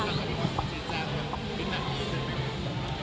แล้วก็ที่ความตัดสินใจมิ้นหลังพูดเรื่อยเป็นไง